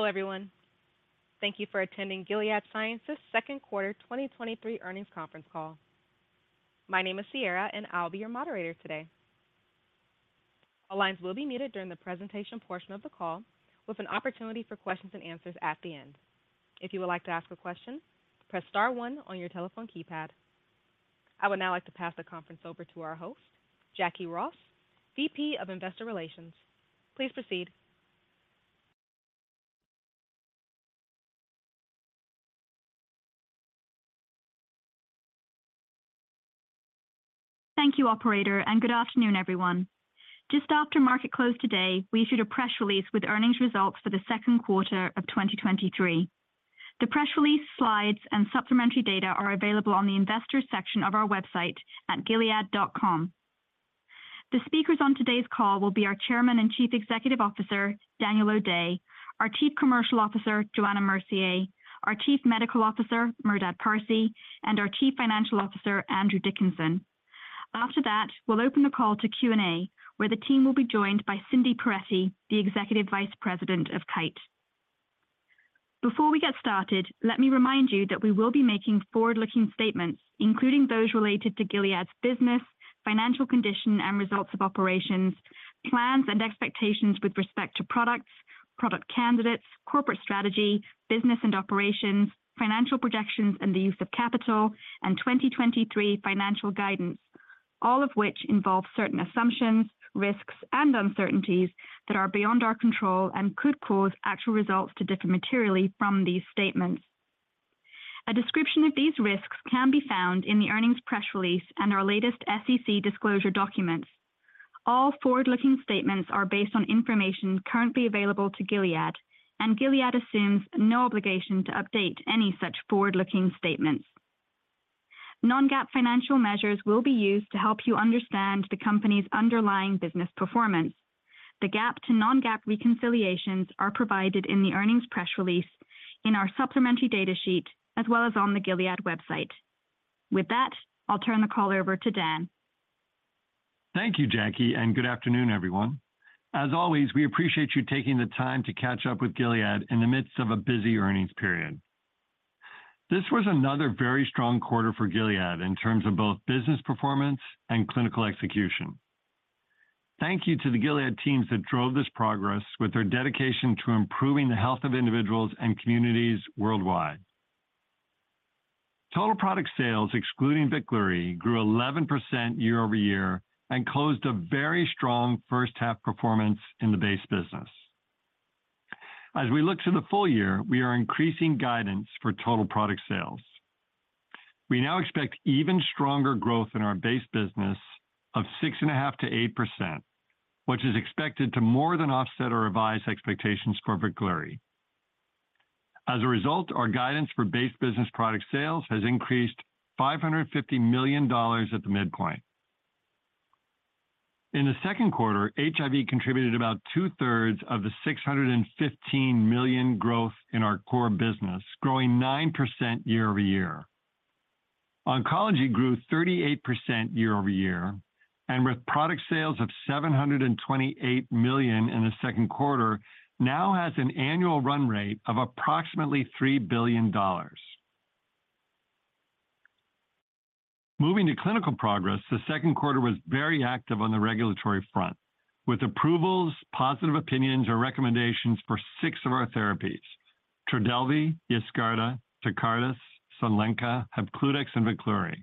Hello, everyone. Thank you for attending Gilead Sciences' second quarter 2023 earnings conference call. My name is Sierra, and I'll be your moderator today. All lines will be muted during the presentation portion of the call, with an opportunity for questions and answers at the end. If you would like to ask a question, press star one on your telephone keypad. I would now like to pass the conference over to our host, Jacquie Ross, VP of Investor Relations. Please proceed. Thank you, operator, and good afternoon, everyone. Just after market close today, we issued a press release with earnings results for the 2Q 2023. The press release, slides, and supplementary data are available on the investors section of our website at gilead.com. The speakers on today's call will be our Chairman and Chief Executive Officer, Daniel O'Day, our Chief Commercial Officer, Johanna Mercier, our Chief Medical Officer, Merdad Parsey, and our Chief Financial Officer, Andrew Dickinson. After that, we'll open the call to Q&A, where the team will be joined by Cindy Peretti, the Executive Vice President of Kite. Before we get started, let me remind you that we will be making forward-looking statements, including those related to Gilead's business, financial condition and results of operations, plans and expectations with respect to products, product candidates, corporate strategy, business and operations, financial projections and the use of capital, and 2023 financial guidance, all of which involve certain assumptions, risks, and uncertainties that are beyond our control and could cause actual results to differ materially from these statements. A description of these risks can be found in the earnings press release and our latest SEC disclosure documents. All forward-looking statements are based on information currently available to Gilead, and Gilead assumes no obligation to update any such forward-looking statements. Non-GAAP financial measures will be used to help you understand the company's underlying business performance. The GAAP to non-GAAP reconciliations are provided in the earnings press release in our supplementary data sheet, as well as on the Gilead website. With that, I'll turn the call over to Dan. Thank you, Jacquie. Good afternoon, everyone. As always, we appreciate you taking the time to catch up with Gilead in the midst of a busy earnings period. This was another very strong quarter for Gilead in terms of both business performance and clinical execution. Thank you to the Gilead teams that drove this progress with their dedication to improving the health of individuals and communities worldwide. Total product sales, excluding Veklury, grew 11% year-over-year and closed a very strong first half performance in the base business. As we look to the full year, we are increasing guidance for total product sales. We now expect even stronger growth in our base business of 6.5%-8%, which is expected to more than offset our revised expectations for Veklury. As a result, our guidance for base business product sales has increased $550 million at the midpoint. In the second quarter, HIV contributed about two-thirds of the $615 million growth in our core business, growing 9% year-over-year. Oncology grew 38% year-over-year, with product sales of $728 million in the second quarter, now has an annual run rate of approximately $3 billion. Moving to clinical progress, the second quarter was very active on the regulatory front, with approvals, positive opinions, or recommendations for six of our therapies: Trodelvy, Yescarta, Tecartus, Sunlenca, Hepcludex, and Veklury.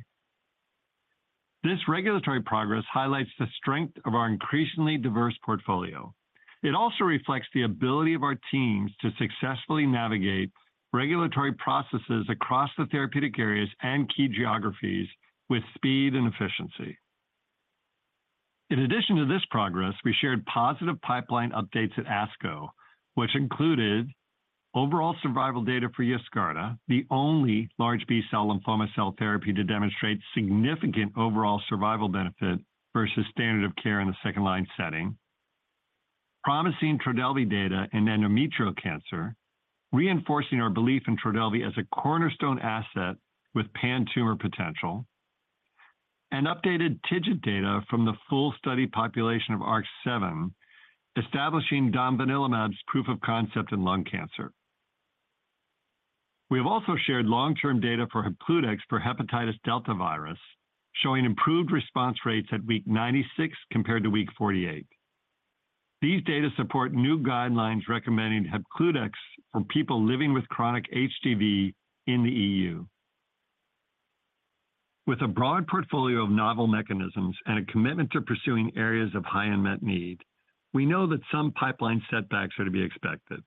This regulatory progress highlights the strength of our increasingly diverse portfolio. It also reflects the ability of our teams to successfully navigate regulatory processes across the therapeutic areas and key geographies with speed and efficiency. In addition to this progress, we shared positive pipeline updates at ASCO, which included overall survival data for Yescarta, the only large B-cell lymphoma cell therapy to demonstrate significant overall survival benefit versus standard of care in the second-line setting, promising Trodelvy data in endometrial cancer, reinforcing our belief in Trodelvy as a cornerstone asset with pan-tumor potential, and updated TIGIT data from the full study population of ARC-7, establishing domvanalimab's proof of concept in lung cancer. We have also shared long-term data for Hepcludex for hepatitis delta virus, showing improved response rates at week 96 compared to week 48. These data support new guidelines recommending Hepcludex for people living with chronic HDV in the EU. With a broad portfolio of novel mechanisms and a commitment to pursuing areas of high unmet need, we know that some pipeline setbacks are to be expected.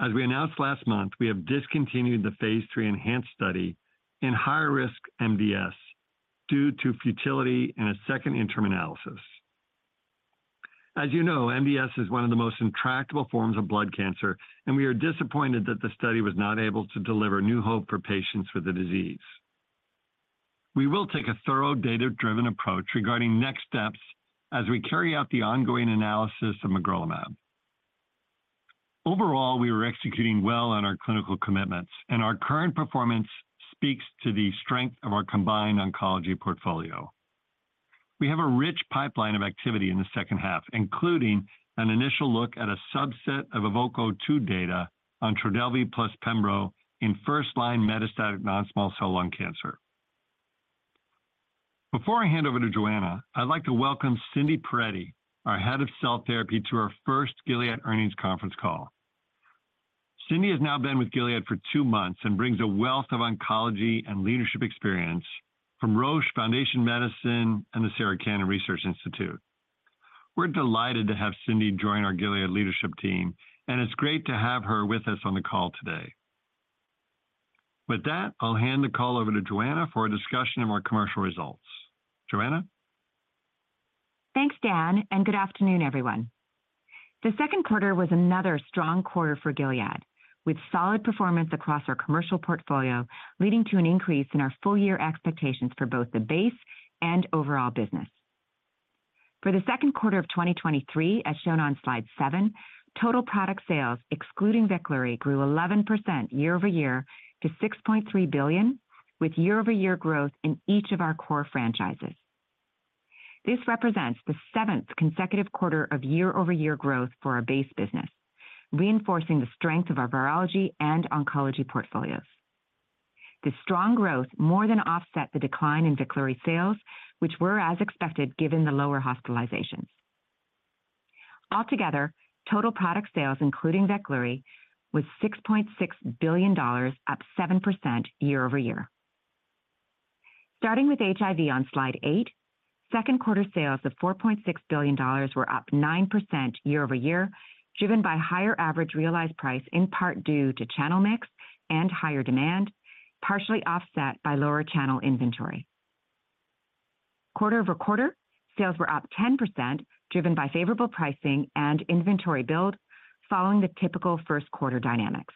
As we announced last month, we have discontinued the phase III ENHANCE study in high-risk MDS due to futility in a second interim analysis. As you know, MDS is one of the most intractable forms of blood cancer. We are disappointed that the study was not able to deliver new hope for patients with the disease. We will take a thorough, data-driven approach regarding next steps as we carry out the ongoing analysis of magrolimab. Overall, we are executing well on our clinical commitments, and our current performance speaks to the strength of our combined oncology portfolio. We have a rich pipeline of activity in the second half, including an initial look at a subset of EVOKE-02 data on Trodelvy plus pembro in first-line metastatic non-small cell lung cancer. Before I hand over to Joanna, I'd like to welcome Cindy Peretti, our Head of Cell Therapy, to our first Gilead Earnings Conference Call. Cindy has now been with Gilead for two months and brings a wealth of oncology and leadership experience from Roche, Foundation Medicine, and the Sarah Cannon Research Institute. We're delighted to have Cindy join our Gilead leadership team, and it's great to have her with us on the call today. With that, I'll hand the call over to Joanna for a discussion of our commercial results. Joanna? Thanks, Dan. Good afternoon, everyone. The second quarter was another strong quarter for Gilead, with solid performance across our commercial portfolio, leading to an increase in our full-year expectations for both the base and overall business. For the second quarter of 2023, as shown on slide seven, total product sales, excluding Veklury, grew 11% year-over-year to $6.3 billion, with year-over-year growth in each of our core franchises. This represents the seventh consecutive quarter of year-over-year growth for our base business, reinforcing the strength of our virology and oncology portfolios. This strong growth more than offset the decline in Veklury sales, which were as expected, given the lower hospitalizations. Altogether, total product sales, including Veklury, was $6.6 billion, up 7% year-over-year. Starting with HIV on slide eight, second quarter sales of $4.6 billion were up 9% year-over-year, driven by higher average realized price, in part due to channel mix and higher demand, partially offset by lower channel inventory. Quarter-over-quarter, sales were up 10%, driven by favorable pricing and inventory build, following the typical first quarter dynamics.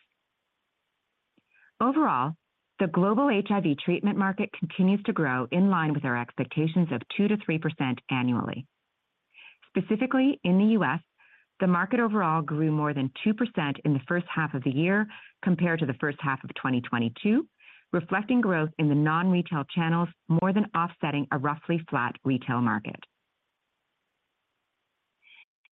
Overall, the global HIV treatment market continues to grow in line with our expectations of 2%-3% annually. Specifically, in the U.S., the market overall grew more than 2% in the first half of the year compared to the first half of 2022, reflecting growth in the non-retail channels, more than offsetting a roughly flat retail market.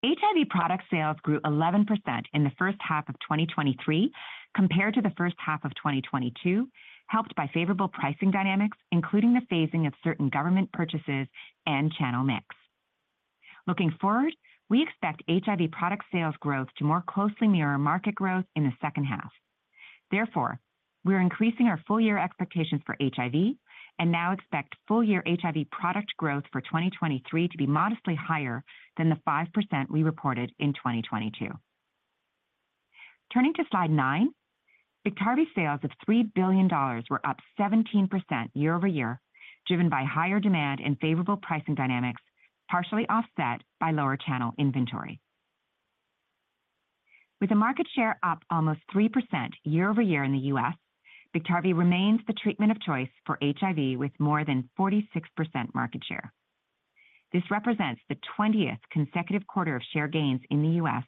HIV product sales grew 11% in the first half of 2023 compared to the first half of 2022, helped by favorable pricing dynamics, including the phasing of certain government purchases and channel mix. Looking forward, we expect HIV product sales growth to more closely mirror market growth in the second half. Therefore, we are increasing our full year expectations for HIV and now expect full year HIV product growth for 2023 to be modestly higher than the 5% we reported in 2022. Turning to slide nine, Biktarvy sales of $3 billion were up 17% year-over-year, driven by higher demand and favorable pricing dynamics, partially offset by lower channel inventory. With a market share up almost 3% year-over-year in the U.S., Biktarvy remains the treatment of choice for HIV, with more than 46% market share. This represents the 20th consecutive quarter of share gains in the U.S.,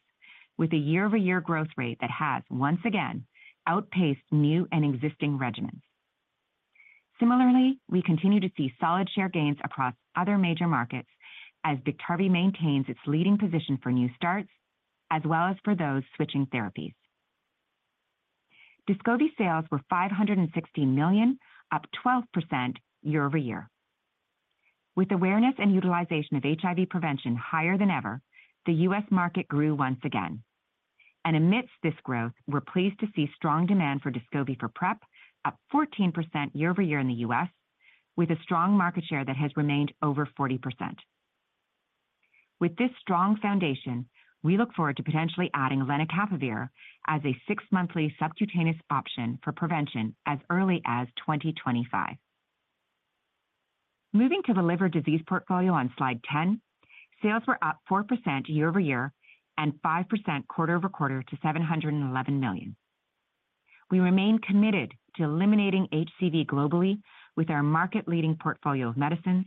with a year-over-year growth rate that has once again outpaced new and existing regimens. Similarly, we continue to see solid share gains across other major markets as Biktarvy maintains its leading position for new starts, as well as for those switching therapies. Descovy sales were $516 million, up 12% year-over-year. With awareness and utilization of HIV prevention higher than ever, the U.S. market grew once again, and amidst this growth, we're pleased to see strong demand for Descovy for PrEP, up 14% year-over-year in the U.S., with a strong market share that has remained over 40%. With this strong foundation, we look forward to potentially adding lenacapavir as a six-monthly subcutaneous option for prevention as early as 2025. Moving to the liver disease portfolio on slide 10, sales were up 4% year-over-year and 5% quarter-over-quarter to $711 million. We remain committed to eliminating HCV globally with our market-leading portfolio of medicines,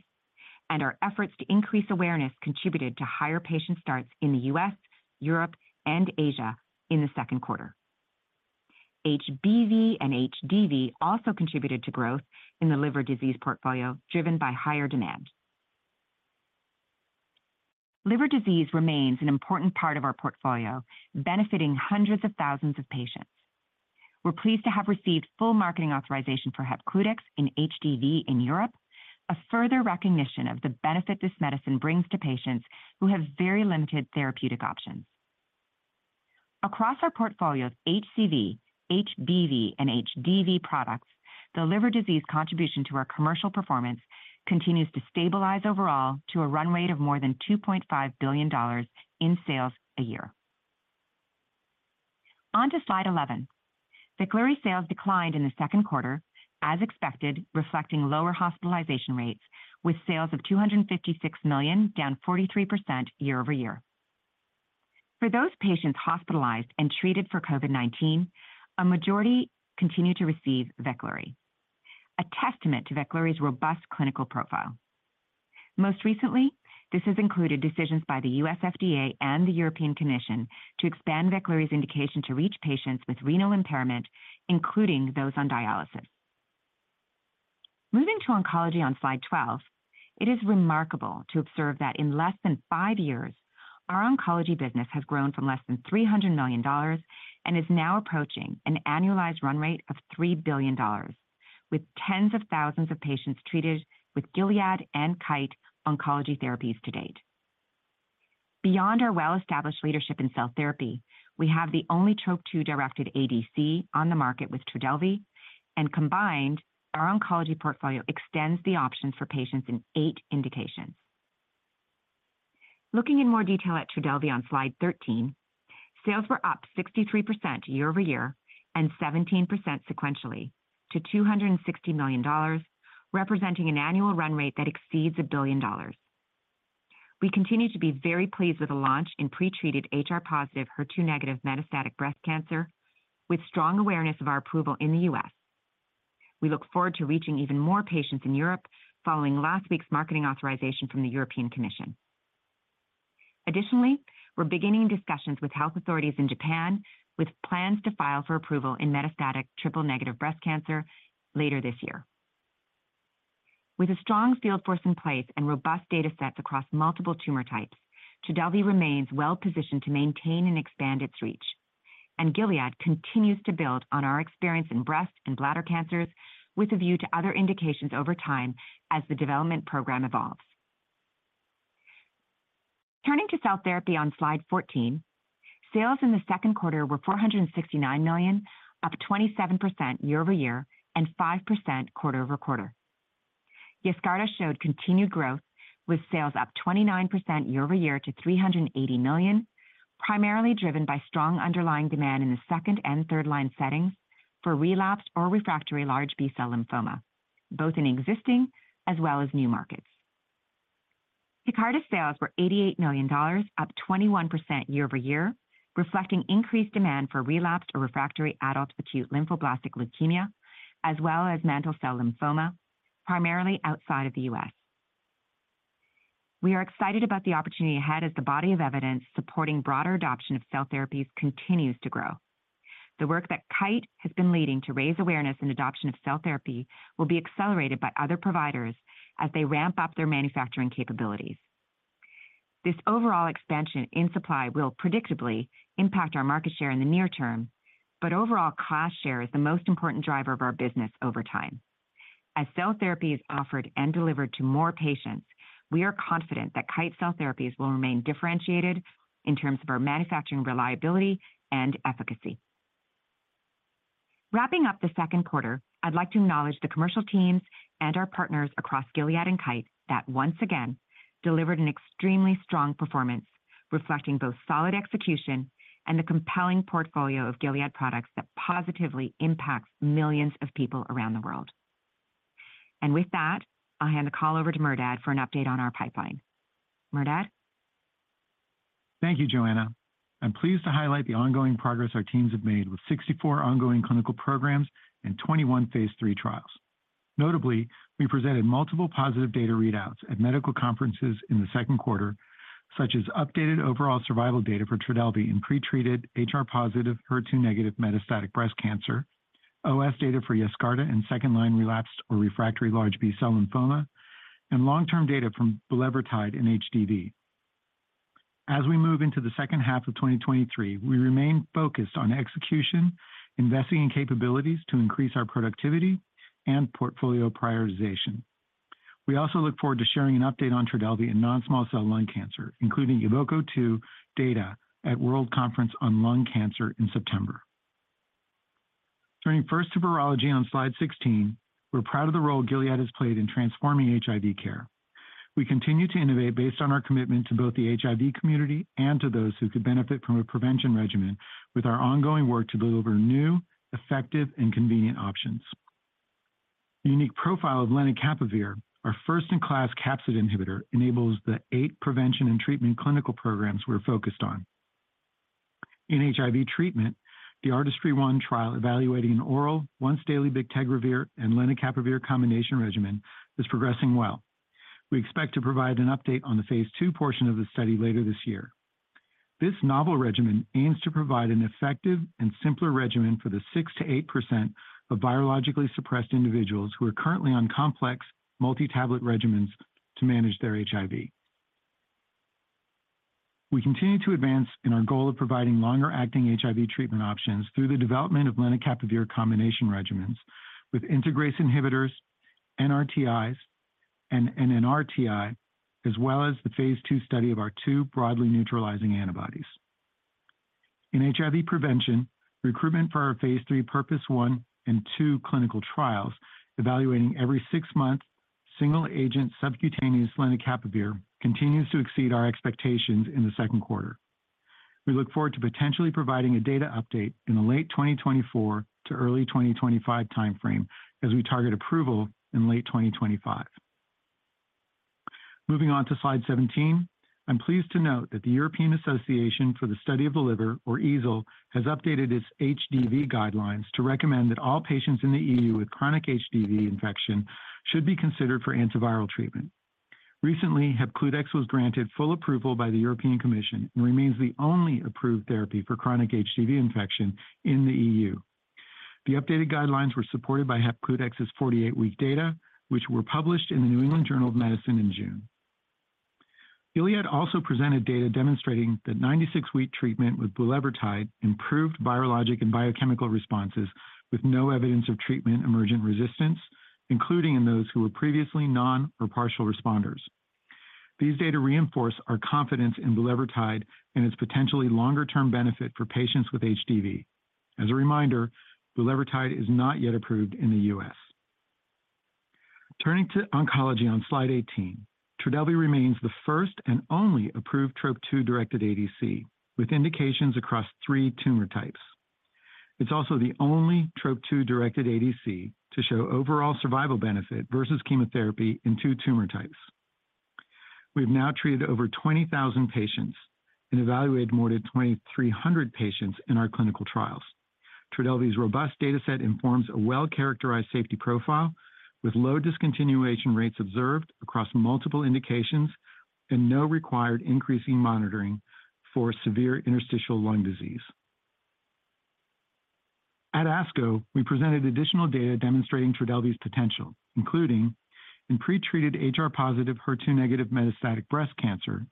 and our efforts to increase awareness contributed to higher patient starts in the U.S., Europe, and Asia in the second quarter. HBV and HDV also contributed to growth in the liver disease portfolio, driven by higher demand. Liver disease remains an important part of our portfolio, benefiting hundreds of thousands of patients. We're pleased to have received full marketing authorization for Hepcludex in HDV in Europe, a further recognition of the benefit this medicine brings to patients who have very limited therapeutic options. Across our portfolio of HCV, HBV, and HDV products, the liver disease contribution to our commercial performance continues to stabilize overall to a run rate of more than $2.5 billion in sales a year. On to slide 11. Veklury sales declined in the second quarter as expected, reflecting lower hospitalization rates with sales of $256 million, down 43% year-over-year. For those patients hospitalized and treated for COVID-19, a majority continue to receive Veklury, a testament to Veklury's robust clinical profile. This has included decisions by the U.S. FDA and the European Commission to expand Veklury's indication to reach patients with renal impairment, including those on dialysis. Moving to oncology on slide 12, it is remarkable to observe that in less than five years, our oncology business has grown from less than $300 million and is now approaching an annualized run rate of $3 billion, with tens of thousands of patients treated with Gilead and Kite Oncology therapies to date. Beyond our well-established leadership in cell therapy, we have the only TROP-2 directed ADC on the market with Trodelvy, and combined, our oncology portfolio extends the options for patients in eight indications. Looking in more detail at Trodelvy on slide 13, sales were up 63% year-over-year and 17% sequentially to $260 million, representing an annual run rate that exceeds $1 billion. We continue to be very pleased with the launch in pretreated HR-positive, HER2-negative metastatic breast cancer, with strong awareness of our approval in the U.S. We look forward to reaching even more patients in Europe following last week's marketing authorization from the European Commission. Additionally, we're beginning discussions with health authorities in Japan, with plans to file for approval in metastatic triple-negative breast cancer later this year. With a strong field force in place and robust data sets across multiple tumor types, Trodelvy remains well-positioned to maintain and expand its reach. Gilead continues to build on our experience in breast and bladder cancers with a view to other indications over time as the development program evolves. Turning to cell therapy on slide 14, sales in the second quarter were $469 million, up 27% year-over-year and 5% quarter-over-quarter. Yescarta showed continued growth, with sales up 29% year-over-year to $380 million, primarily driven by strong underlying demand in the 2nd and 3rd-line settings for relapsed or refractory large B-cell lymphoma, both in existing as well as new markets. Tecartus sales were $88 million, up 21% year-over-year, reflecting increased demand for relapsed or refractory adult acute lymphoblastic leukemia, as well as mantle cell lymphoma, primarily outside of the U.S. We are excited about the opportunity ahead as the body of evidence supporting broader adoption of cell therapies continues to grow. The work that Kite has been leading to raise awareness and adoption of cell therapy will be accelerated by other providers as they ramp up their manufacturing capabilities. This overall expansion in supply will predictably impact our market share in the near term. Overall, class share is the most important driver of our business over time. As cell therapy is offered and delivered to more patients, we are confident that Kite cell therapies will remain differentiated in terms of our manufacturing, reliability, and efficacy. Wrapping up the second quarter, I'd like to acknowledge the commercial teams and our partners across Gilead and Kite that once again delivered an extremely strong performance, reflecting both solid execution and the compelling portfolio of Gilead products that positively impacts millions of people around the world. With that, I'll hand the call over to Mehrdad for an update on our pipeline. Mehrdad? Thank you, Joanna. I'm pleased to highlight the ongoing progress our teams have made with 64 ongoing clinical programs and 21 phase III trials. Notably, we presented multiple positive data readouts at medical conferences in the second quarter, such as updated overall survival data for Trodelvy in pretreated HR-positive, HER2-negative metastatic breast cancer, OS data for Yescarta in second-line relapsed or refractory large B-cell lymphoma, and long-term data from bulevirtide in HDV. As we move into the second half of 2023, we remain focused on execution, investing in capabilities to increase our productivity and portfolio prioritization. We also look forward to sharing an update on Trodelvy in non-small cell lung cancer, including EVOKE-02 data at World Conference on Lung Cancer in September. Turning first to virology on slide 16, we're proud of the role Gilead has played in transforming HIV care. We continue to innovate based on our commitment to both the HIV community and to those who could benefit from a prevention regimen with our ongoing work to deliver new, effective, and convenient options. The unique profile of lenacapavir, our first-in-class capsid inhibitor, enables the 8 prevention and treatment clinical programs we're focused on. In HIV treatment, the ARTISTRY-1 trial, evaluating an oral once daily bictegravir and lenacapavir combination regimen, is progressing well. We expect to provide an update on the phase II portion of the study later this year. This novel regimen aims to provide an effective and simpler regimen for the 6%-8% of virologically suppressed individuals who are currently on complex multi-tablet regimens to manage their HIV. We continue to advance in our goal of providing longer-acting HIV treatment options through the development of lenacapavir combination regimens with integrase inhibitors, NRTIs, and NNRTI, as well as the phase two study of our two broadly neutralizing antibodies. In HIV prevention, recruitment for our phase three PURPOSE one and two clinical trials, evaluating every six months, single agent subcutaneous lenacapavir continues to exceed our expectations in the second quarter. We look forward to potentially providing a data update in the late 2024 to early 2025 timeframe as we target approval in late 2025. Moving on to slide 17. I'm pleased to note that the European Association for the Study of the Liver, or EASL, has updated its HDV guidelines to recommend that all patients in the EU with chronic HDV infection should be considered for antiviral treatment. Recently, Hepcludex was granted full approval by the European Commission and remains the only approved therapy for chronic HDV infection in the EU. The updated guidelines were supported by Hepcludex's 48-week data, which were published in The New England Journal of Medicine in June. Gilead also presented data demonstrating that 96-week treatment with bulevirtide improved virologic and biochemical responses with no evidence of treatment-emergent resistance, including in those who were previously non or partial responders. These data reinforce our confidence in bulevirtide and its potentially longer-term benefit for patients with HDV. As a reminder, bulevirtide is not yet approved in the U.S. Turning to oncology on slide 18, Trodelvy remains the first and only approved TROP-2-directed ADC, with indications across three tumor types. It's also the only TROP-2-directed ADC to show overall survival benefit versus chemotherapy in two tumor types. We've now treated over 20,000 patients and evaluated more than 2,300 patients in our clinical trials. TRODELVY's robust dataset informs a well-characterized safety profile with low discontinuation rates observed across multiple indications and no required increasing monitoring for severe interstitial lung disease. At ASCO, we presented additional data demonstrating TRODELVY's potential, including in pretreated HR-positive, HER2-negative metastatic breast cancer.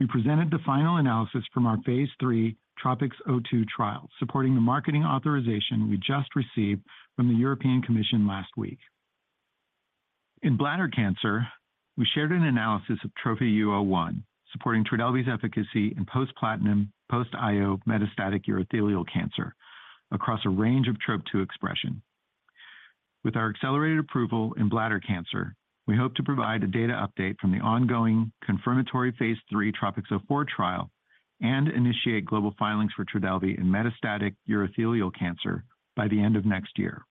We presented the final analysis from our phase three TROPiCS-02 trial, supporting the marketing authorization we just received from the European Commission last week. In bladder cancer, we shared an analysis of TROPHY-U-01, supporting TRODELVY's efficacy in post-platinum, post-IO metastatic urothelial cancer across a range of TROP-2 expression. With our accelerated approval in bladder cancer, we hope to provide a data update from the ongoing confirmatory phase three TROPiCS-04 trial and initiate global filings for TRODELVY in metastatic urothelial cancer by the end of next year.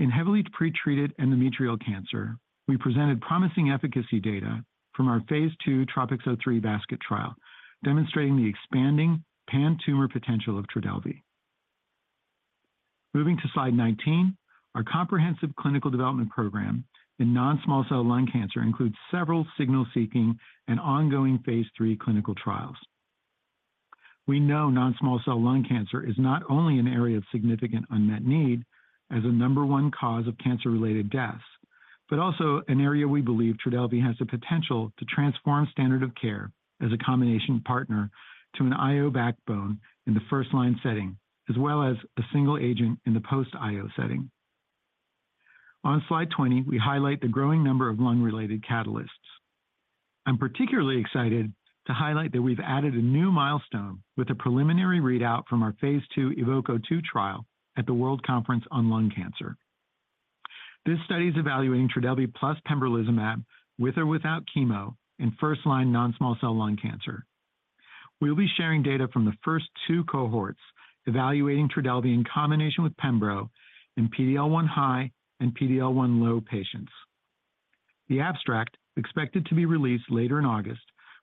In heavily pretreated endometrial cancer, we presented promising efficacy data from our phase two TROPiCS-03 basket trial, demonstrating the expanding pan-tumor potential of Trodelvy. Moving to slide 19, our comprehensive clinical development program in non-small cell lung cancer includes several signal-seeking and ongoing phase three clinical trials. We know non-small cell lung cancer is not only an area of significant unmet need as a number one cause of cancer-related deaths, but also an area we believe Trodelvy has the potential to transform standard of care as a combination partner to an IO backbone in the first-line setting, as well as a single agent in the post-IO setting. On slide 20, we highlight the growing number of lung-related catalysts. I'm particularly excited to highlight that we've added a new milestone with a preliminary readout from our phase two EVOKE-02 trial at the World Conference on Lung Cancer. This study is evaluating TRODELVY plus pembrolizumab with or without chemo in first-line non-small cell lung cancer. We'll be sharing data from the first two cohorts evaluating TRODELVY in combination with pembro in PDL1 high and PDL1 low patients. The abstract, expected to be released later in August,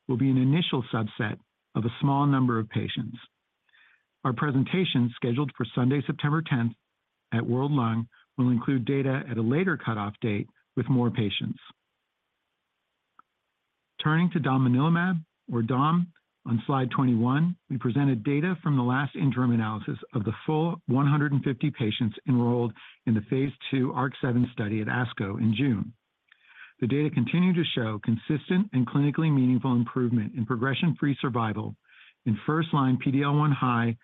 will be an initial subset of a small number of patients. Our presentation, scheduled for Sunday, September tenth, at World Lung, will include data at a later cutoff date with more patients. Turning to domvanalimab, or DOM, on slide 21, we presented data from the last interim analysis of the full 150 patients enrolled in the Phase II ARC-7 study at ASCO in June. The data continue to show consistent and clinically meaningful improvement in progression-free survival in first-line PDL1 high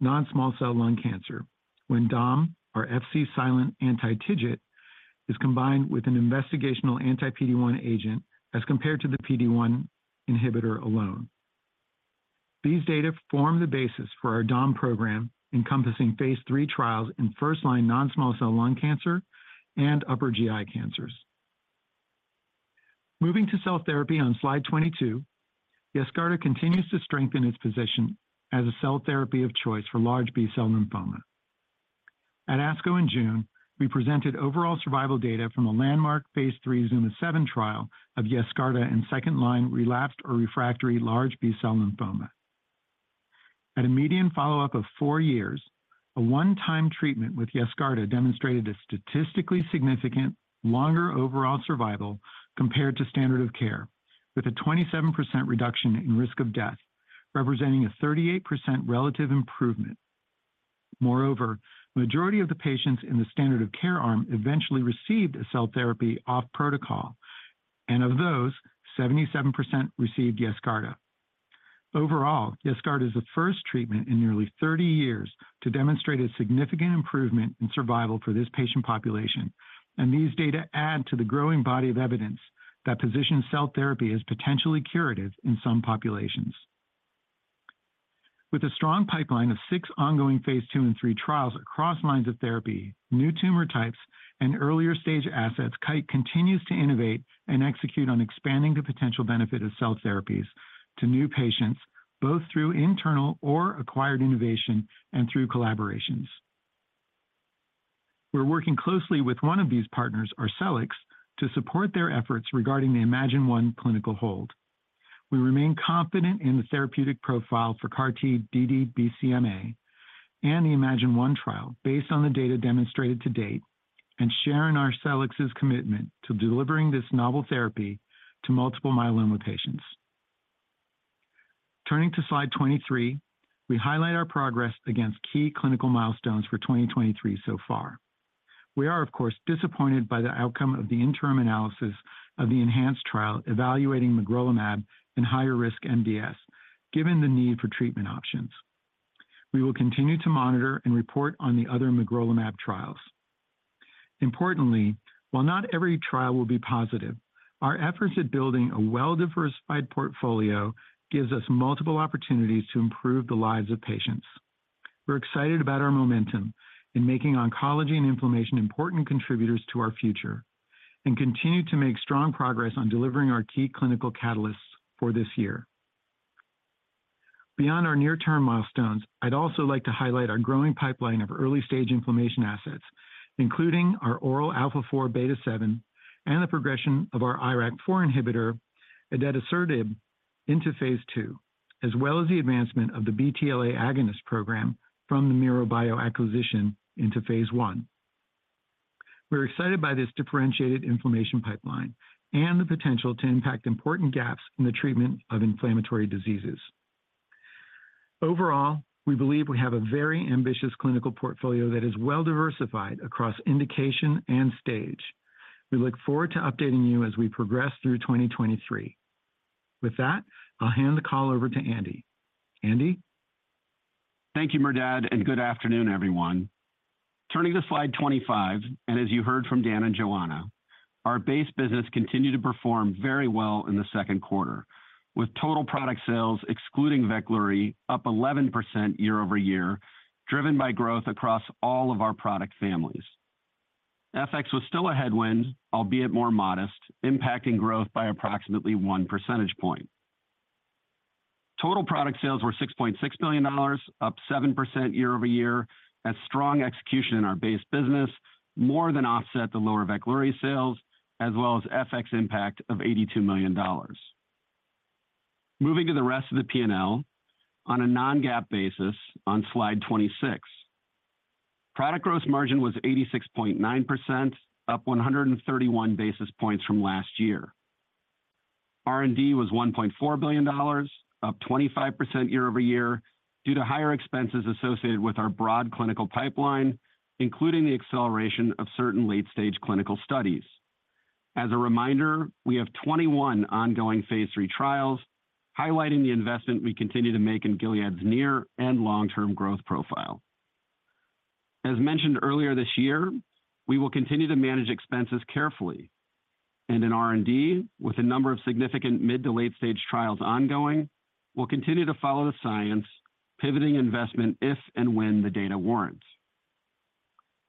non-small cell lung cancer when DOM, or Fc-silent anti-TIGIT, is combined with an investigational anti-PD-1 agent as compared to the PD-1 inhibitor alone. These data form the basis for our DOM program, encompassing phase III trials in first-line non-small cell lung cancer and upper GI cancers. Moving to cell therapy on slide 22, Yescarta continues to strengthen its position as a cell therapy of choice for large B-cell lymphoma. At ASCO in June, we presented overall survival data from a landmark phase III ZUMA-7 trial of Yescarta in second-line relapsed or refractory large B-cell lymphoma. At a median follow-up of four years, a one-time treatment with Yescarta demonstrated a statistically significant longer overall survival compared to standard of care, with a 27% reduction in risk of death, representing a 38% relative improvement. Moreover, majority of the patients in the standard of care arm eventually received a cell therapy off protocol, and of those, 77% received Yescarta. Overall, Yescarta is the first treatment in nearly 30 years to demonstrate a significant improvement in survival for this patient population, and these data add to the growing body of evidence that position cell therapy is potentially curative in some populations. With a strong pipeline of six ongoing phase two and three trials across lines of therapy, new tumor types, and earlier-stage assets, Kite continues to innovate and execute on expanding the potential benefit of cell therapies to new patients, both through internal or acquired innovation and through collaborations. We're working closely with one of these partners, Arcellx, to support their efforts regarding the IMAGINE-1 clinical hold. We remain confident in the therapeutic profile for CART-ddBCMA and the IMAGINE-1 trial, based on the data demonstrated to date, and share in Arcellx's commitment to delivering this novel therapy to multiple myeloma patients. Turning to slide 23, we highlight our progress against key clinical milestones for 2023 so far. We are, of course, disappointed by the outcome of the interim analysis of the ENHANCE trial, evaluating magrolimab in higher risk MDS, given the need for treatment options. We will continue to monitor and report on the other magrolimab trials. Importantly, while not every trial will be positive, our efforts at building a well-diversified portfolio gives us multiple opportunities to improve the lives of patients. We're excited about our momentum in making oncology and inflammation important contributors to our future and continue to make strong progress on delivering our key clinical catalysts for this year. Beyond our near-term milestones, I'd also like to highlight our growing pipeline of early-stage inflammation assets, including our oral alpha four beta seven and the progression of our IRAK4 inhibitor, adedaserinib, into phase two, as well as the advancement of the BTLA agonist program from the MiroBio acquisition into phase on. We're excited by this differentiated inflammation pipeline and the potential to impact important gaps in the treatment of inflammatory diseases. Overall, we believe we have a very ambitious clinical portfolio that is well-diversified across indication and stage. We look forward to updating you as we progress through 2023. With that, I'll hand the call over to Andy. Andy? Thank you, Mehrdad. Good afternoon, everyone. Turning to slide 25, and as you heard from Dan and Joanna, our base business continued to perform very well in the second quarter, with total product sales excluding Veklury, up 11% year-over-year, driven by growth across all of our product families. FX was still a headwind, albeit more modest, impacting growth by approximately one percentage point. Total product sales were $6.6 billion, up 7% year-over-year, as strong execution in our base business more than offset the lower Veklury sales, as well as FX impact of $82 million. Moving to the rest of the P&L on a non-GAAP basis on Slide 26. Product growth margin was 86.9%, up 131 basis points from last year. R&D was $1.4 billion, up 25% year-over-year, due to higher expenses associated with our broad clinical pipeline, including the acceleration of certain late-stage clinical studies. As a reminder, we have 21 ongoing Phase III trials, highlighting the investment we continue to make in Gilead's near and long-term growth profile. As mentioned earlier this year, we will continue to manage expenses carefully. In R&D, with the number of significant mid to late-stage trials ongoing, we'll continue to follow the science, pivoting investment if and when the data warrants.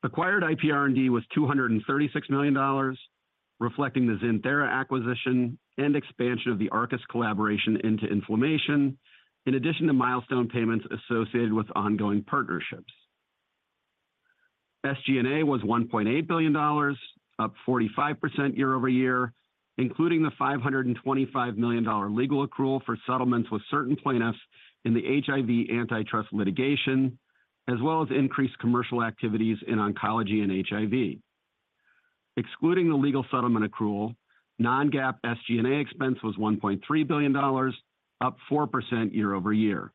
Acquired IPR&D was $236 million, reflecting the Xinthera acquisition and expansion of the Arcus collaboration into inflammation, in addition to milestone payments associated with ongoing partnerships. SG&A was $1.8 billion, up 45% year-over-year, including the $525 million legal accrual for settlements with certain plaintiffs in the HIV antitrust litigation, as well as increased commercial activities in oncology and HIV. Excluding the legal settlement accrual, non-GAAP SG&A expense was $1.3 billion, up 4% year-over-year.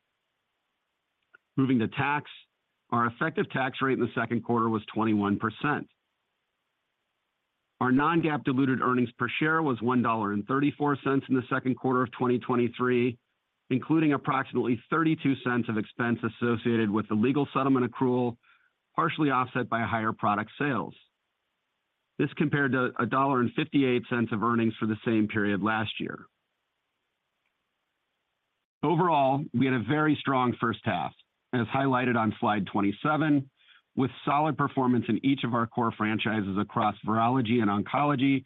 Moving to tax, our effective tax rate in the second quarter was 21%. Our non-GAAP diluted earnings per share was $1.34 in the second quarter of 2023, including approximately $0.32 of expense associated with the legal settlement accrual, partially offset by higher product sales. This compared to $1.58 of earnings for the same period last year. Overall, we had a very strong first half, as highlighted on slide 27, with solid performance in each of our core franchises across virology and oncology,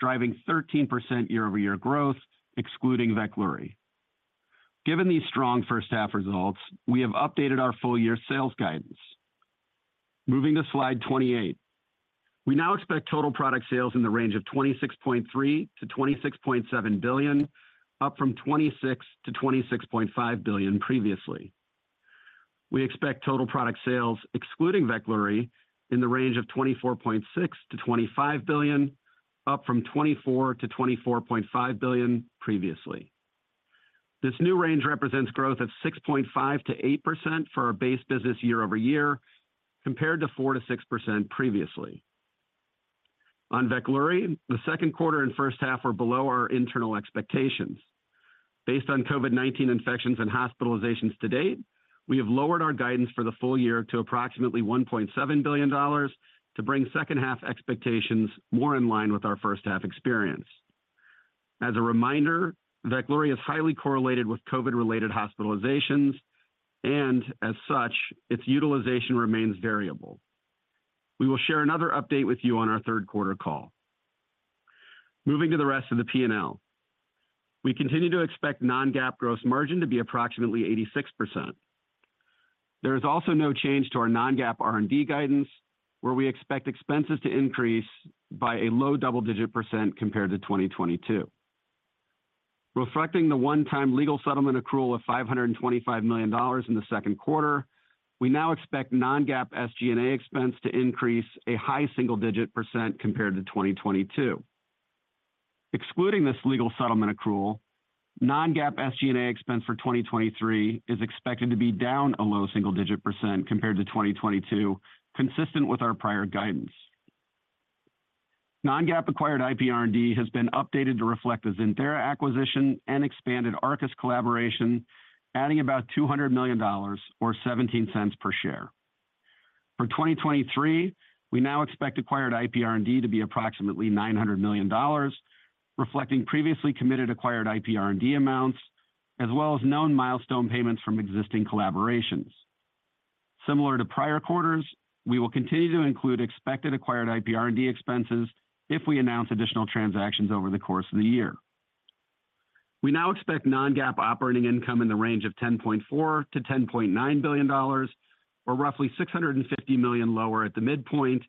driving 13% year-over-year growth, excluding Veklury. Given these strong first half results, we have updated our full year sales guidance. Moving to slide 28. We now expect total product sales in the range of $26.3 billion-$26.7 billion, up from $26 billion-$26.5 billion previously. We expect total product sales excluding Veklury in the range of $24.6 billion-$25 billion, up from $24 billion-$24.5 billion previously. This new range represents growth of 6.5%-8% for our base business year-over-year, compared to 4%-6% previously. On Veklury, the second quarter and first half were below our internal expectations. Based on COVID-19 infections and hospitalizations to date, we have lowered our guidance for the full year to approximately $1.7 billion to bring second half expectations more in line with our first half experience. As a reminder, Veklury is highly correlated with COVID-related hospitalizations, and as such, its utilization remains variable. We will share another update with you on our third quarter call. Moving to the rest of the P&L. We continue to expect non-GAAP gross margin to be approximately 86%. There is also no change to our non-GAAP R&D guidance, where we expect expenses to increase by a low double-digit % compared to 2022. Reflecting the one-time legal settlement accrual of $525 million in the second quarter, we now expect non-GAAP SG&A expense to increase a high single-digit % compared to 2022. Excluding this legal settlement accrual, non-GAAP SG&A expense for 2023 is expected to be down a low single-digit % compared to 2022, consistent with our prior guidance. Non-GAAP acquired IP R&D has been updated to reflect the Xinthera acquisition and expanded Arcus collaboration, adding about $200 million or $0.17 per share. For 2023, we now expect acquired IP R&D to be approximately $900 million, reflecting previously committed acquired IP R&D amounts, as well as known milestone payments from existing collaborations. Similar to prior quarters, we will continue to include expected acquired IP R&D expenses if we announce additional transactions over the course of the year. We now expect non-GAAP operating income in the range of $10.4 billion-$10.9 billion, or roughly $650 million lower at the midpoint,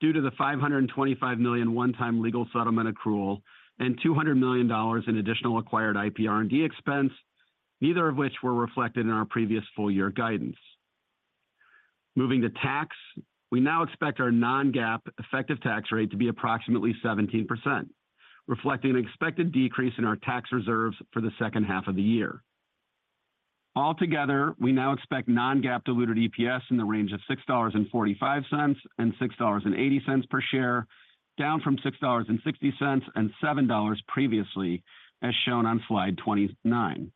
due to the $525 million one-time legal settlement accrual and $200 million in additional acquired IP R&D expense, neither of which were reflected in our previous full year guidance. Moving to tax, we now expect our non-GAAP effective tax rate to be approximately 17%, reflecting an expected decrease in our tax reserves for the second half of the year. Altogether, we now expect non-GAAP diluted EPS in the range of $6.45 and $6.80 per share, down from $6.60 and $7 previously, as shown on slide 29.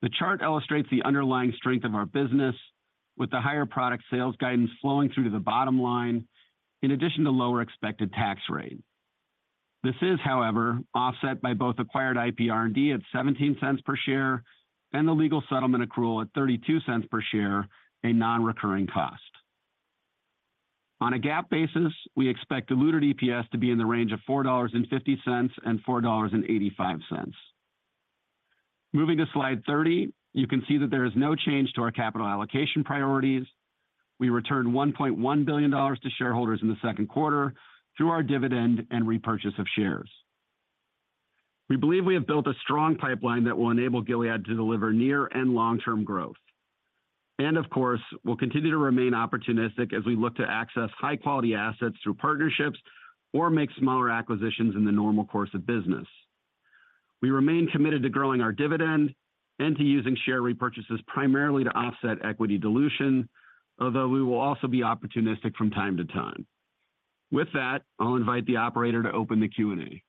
The chart illustrates the underlying strength of our business, with the higher product sales guidance flowing through to the bottom line, in addition to lower expected tax rate. This is, however, offset by both acquired IP R&D at $0.17 per share and the legal settlement accrual at $0.32 per share, a non-recurring cost. On a GAAP basis, we expect diluted EPS to be in the range of $4.50 and $4.85. Moving to slide 30, you can see that there is no change to our capital allocation priorities. We returned $1.1 billion to shareholders in the second quarter through our dividend and repurchase of shares. We believe we have built a strong pipeline that will enable Gilead to deliver near and long-term growth. Of course, we'll continue to remain opportunistic as we look to access high-quality assets through partnerships or make smaller acquisitions in the normal course of business. We remain committed to growing our dividend and to using share repurchases primarily to offset equity dilution, although we will also be opportunistic from time to time. With that, I'll invite the operator to open the Q&A.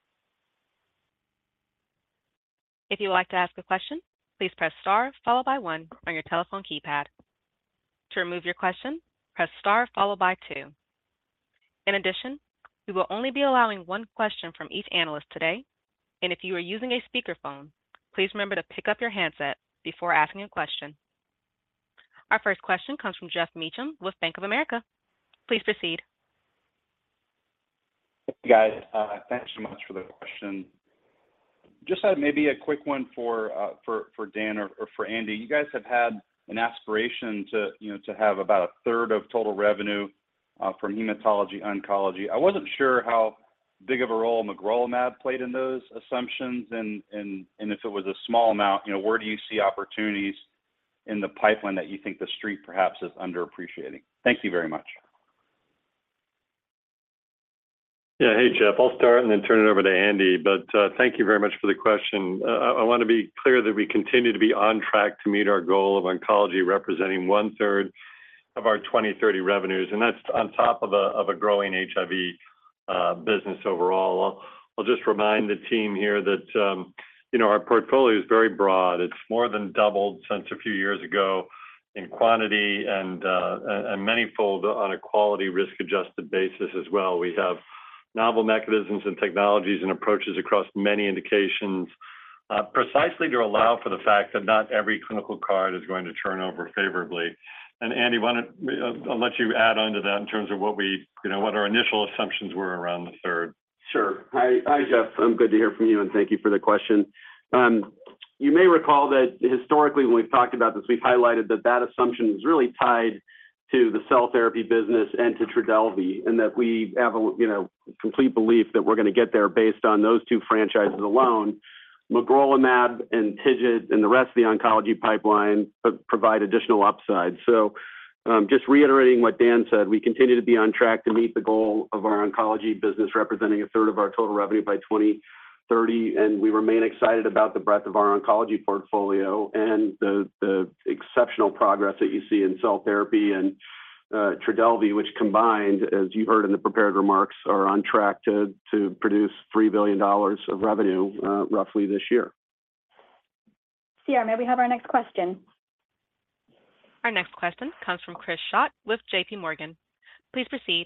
If you would like to ask a question, please press star followed by one on your telephone keypad. To remove your question, press star followed by two. In addition, we will only be allowing one question from each analyst today, and if you are using a speakerphone, please remember to pick up your handset before asking a question. Our first question comes from Geoff Meacham with Bank of America. Please proceed. Hey, guys, thanks so much for the question. Just maybe a quick one for for for Dan or or for Andy. You guys have had an aspiration to, you know, to have about a third of total revenue from hematology oncology. I wasn't sure how big of a role magrolimab played in those assumptions, and, and, and if it was a small amount, you know, where do you see opportunities in the pipeline that you think the street perhaps is underappreciating? Thank you very much. Hey, Geoff, I'll start and then turn it over to Andy. Thank you very much for the question. I, I wanna be clear that we continue to be on track to meet our goal of oncology, representing 1/3 of our 2030 revenues, and that's on top of a, of a growing HIV business overall. I'll, I'll just remind the team here that, you know, our portfolio is very broad. It's more than doubled since a few years ago in quantity and, and manyfold on a quality risk-adjusted basis as well. We have novel mechanisms and technologies and approaches across many indications, precisely to allow for the fact that not every clinical card is going to turn over favorably. Andy, I'll let you add on to that in terms of what we, you know, what our initial assumptions were around the third. Sure. Hi, hi, Jeff. I'm good to hear from you, and thank you for the question. You may recall that historically, when we've talked about this, we've highlighted that that assumption is really tied to the cell therapy business and to Trodelvy, and that we have a complete belief that we're gonna get there based on those two franchises alone. Magrolimab and TIGIT and the rest of the oncology pipeline provide additional upside. Just reiterating what Dan said, we continue to be on track to meet the goal of our oncology business, representing a third of our total revenue by 2030, and we remain excited about the breadth of our oncology portfolio and the exceptional progress that you see in cell therapy and Trodelvy, which combined, as you heard in the prepared remarks, are on track to produce $3 billion of revenue, roughly this year. CR, may we have our next question? Our next question comes from Chris Schott with J.P. Morgan. Please proceed.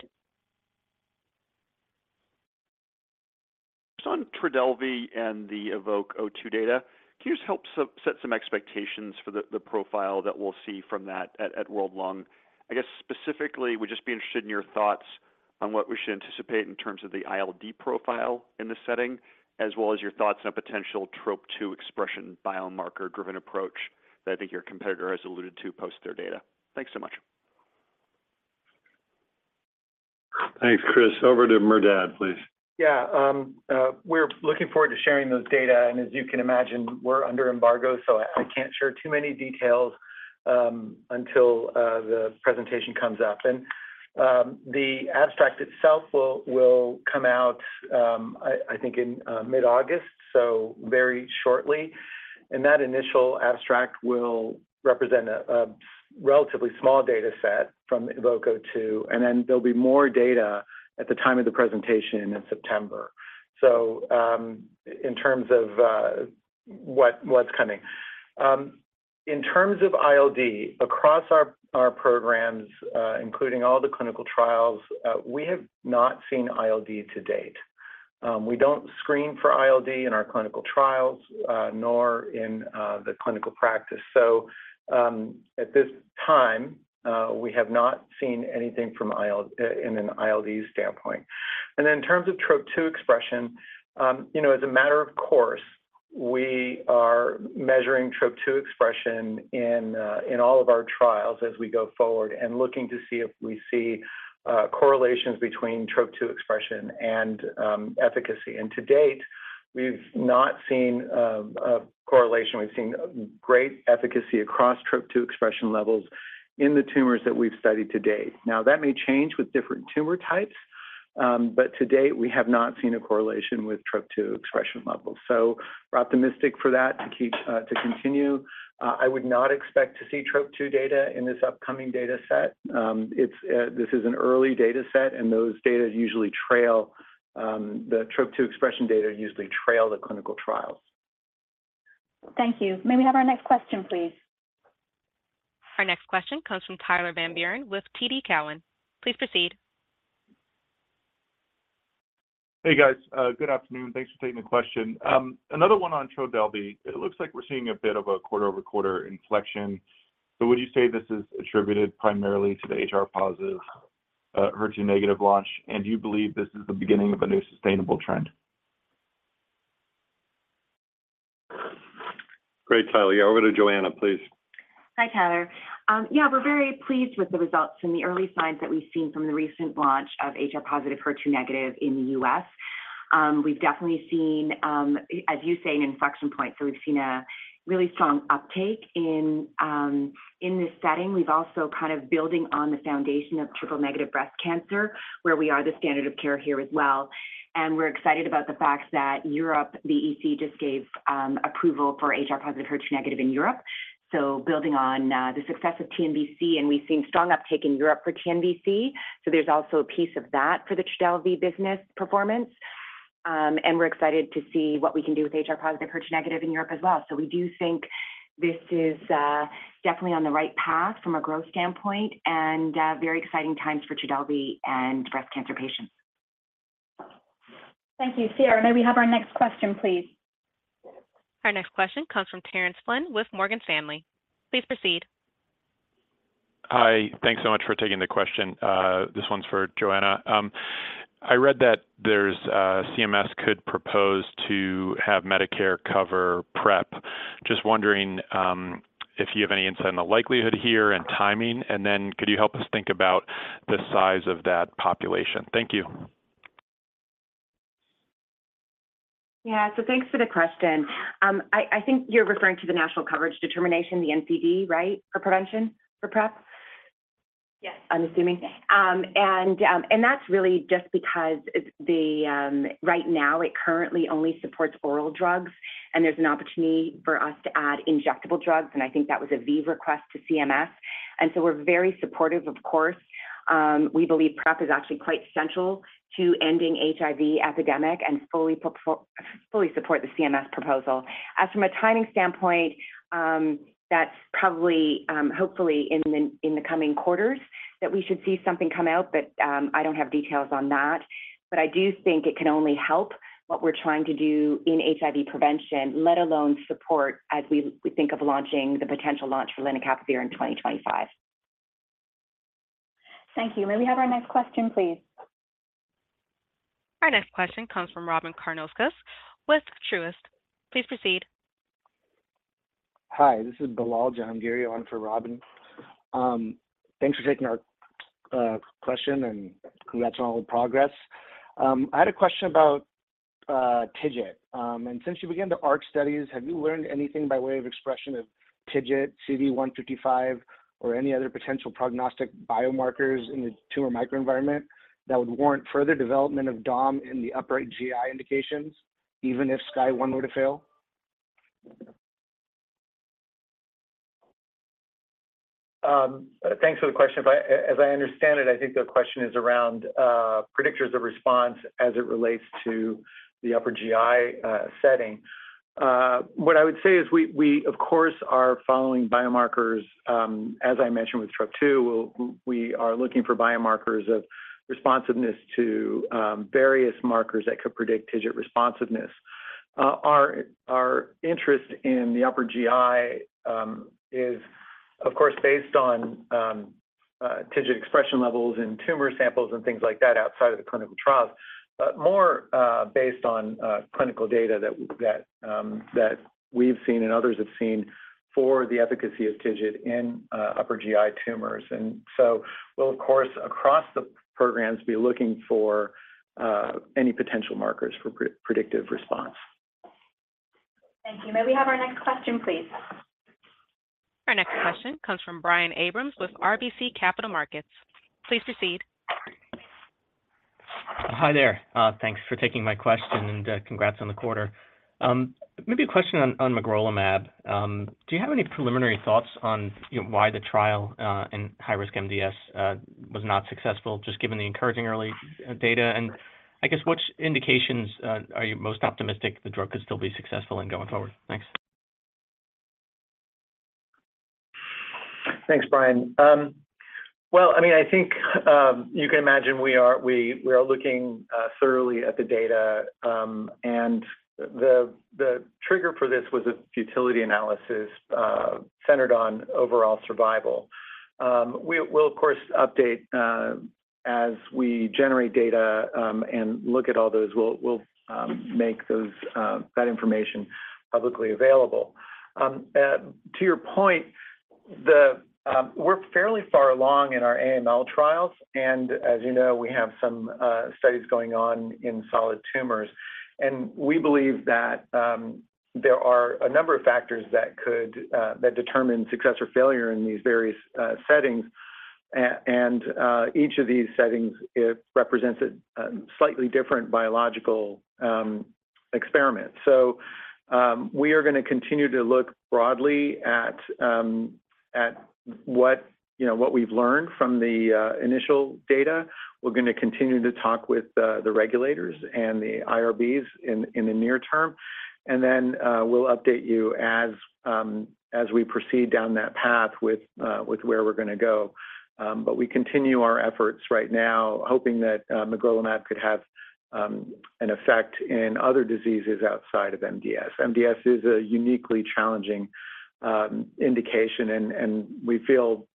On Trodelvy and the EVOKE-02 data, can you just help set some expectations for the profile that we'll see from that at World Lung? I guess specifically, we'd just be interested in your thoughts on what we should anticipate in terms of the ILD profile in this setting, as well as your thoughts on potential TROP-2 expression biomarker-driven approach that I think your competitor has alluded to post their data. Thanks so much. Thanks, Chris. Over to Merdad, please. Yeah, we're looking forward to sharing those data, and as you can imagine, we're under embargo, so I, I can't share too many details until the presentation comes up. The abstract itself will, will come out, I, I think in mid-August, so very shortly. That initial abstract will represent a, a relatively small data set from EVOKE-02, and then there'll be more data at the time of the presentation in September. In terms of what, what's coming. In terms of ILD, across our, our programs, including all the clinical trials, we have not seen ILD to date. We don't screen for ILD in our clinical trials, nor in the clinical practice. At this time, we have not seen anything from an ILD standpoint. In terms of Trop-2 expression, you know, as a matter of course, we are measuring Trop-2 expression in all of our trials as we go forward and looking to see if we see correlations between Trop-2 expression and efficacy. To date, we've not seen a correlation. We've seen great efficacy across Trop-2 expression levels in the tumors that we've studied to date. That may change with different tumor types, but to date, we have not seen a correlation with Trop-2 expression levels. We're optimistic for that to keep to continue. I would not expect to see Trop-2 data in this upcoming data set. This is an early data set, and those data usually trail the Trop-2 expression data usually trail the clinical trials. Thank you. May we have our next question, please? Our next question comes from Tyler Van Buren with TD Cowen. Please proceed. Hey, guys. Good afternoon. Thanks for taking the question. Another one on Trodelvy. It looks like we're seeing a bit of a quarter-over-quarter inflection, would you say this is attributed primarily to the HR-positive, HER2-negative launch? Do you believe this is the beginning of a new sustainable trend? Great, Tyler. Yeah, over to Joanna, please. Hi, Tyler. Yeah, we're very pleased with the results and the early signs that we've seen from the recent launch of HR-positive, HER2-negative in the US. We've definitely seen, as you say, an inflection point, so we've seen a really strong uptake in this setting. We've also kind of building on the foundation of triple-negative breast cancer, where we are the standard of care here as well, and we're excited about the fact that Europe, the EC, just gave approval for HR-positive, HER2-negative in Europe. Building on the success of TNBC, and we've seen strong uptake in Europe for TNBC, so there's also a piece of that for the Trodelvy business performance. And we're excited to see what we can do with HR-positive, HER2-negative in Europe as well. We do think this is, definitely on the right path from a growth standpoint, and, very exciting times for Trodelvy and breast cancer patients. Thank you. Sierra, may we have our next question, please? Our next question comes from Terence Flynn with Morgan Stanley. Please proceed. Hi. Thanks so much for taking the question. This one's for Joanna. I read that there's a CMS could propose to have Medicare cover PrEP. Just wondering, if you have any insight on the likelihood here and timing, and then could you help us think about the size of that population? Thank you. Yeah. Thanks for the question. I think you're referring to the National Coverage Determination, the NCD, right, for prevention, for PrEP? Yes. I'm assuming. That's really just because it's the. Right now, it currently only supports oral drugs, and there's an opportunity for us to add injectable drugs, and I think that was a V request to CMS. We're very supportive, of course. We believe PrEP is actually quite central to ending HIV epidemic and fully support the CMS proposal. As from a timing standpoint, that's probably, hopefully, in the coming quarters that we should see something come out, but I don't have details on that. I do think it can only help what we're trying to do in HIV prevention, let alone support, as we, we think of launching the potential launch for lenacapavir in 2025. Thank you. May we have our next question, please? Our next question comes from Robin Karnauskas with Truist. Please proceed. Hi, this is Bilal Jahangiri on for Robin. Thanks for taking our question, and congrats on all the progress. I had a question about TIGIT. Since you began the ARC Studies, have you learned anything by way of expression of TIGIT, CD155, or any other potential prognostic biomarkers in the tumor microenvironment that would warrant further development of dom in the upper GI indications, even if SKYSCRAPER-01 were to fail? Thanks for the question. As I understand it, I think the question is around predictors of response as it relates to the upper GI setting. What I would say is we, we, of course, are following biomarkers. As I mentioned, with TROP-2, we are looking for biomarkers of responsiveness to various markers that could predict TIGIT responsiveness. Our, our interest in the upper GI is of course, based on TIGIT expression levels in tumor samples and things like that outside of the clinical trials, but more based on clinical data that, that we've seen and others have seen for the efficacy of TIGIT in upper GI tumors. We'll, of course, across the programs, be looking for any potential markers for predictive response. Thank you. May we have our next question, please? Our next question comes from Brian Abrams with RBC Capital Markets. Please proceed. Hi there. Thanks for taking my question, and congrats on the quarter. Maybe a question on magrolimab. Do you have any preliminary thoughts on, you know, why the trial in high-risk MDS was not successful, just given the encouraging early data? I guess, which indications are you most optimistic the drug could still be successful in going forward? Thanks. Thanks, Brian. Well, I mean, I think, you can imagine we are looking thoroughly at the data, and the trigger for this was a futility analysis centered on overall survival. We'll of course, update as we generate data, and look at all those. We'll, we'll make those that information publicly available. To your point, the, we're fairly far along in our AML trials, and as you know, we have some studies going on in solid tumors, and we believe that there are a number of factors that could that determine success or failure in these various settings. Each of these settings, it represents a slightly different biological experiment. We are gonna continue to look broadly at what, you know, what we've learned from the initial data. We're gonna continue to talk with the regulators and the IRBs in the near term, and then we'll update you as we proceed down that path with where we're gonna go. We continue our efforts right now, hoping that magrolimab could have an effect in other diseases outside of MDS. MDS is a uniquely challenging indication, and we feel,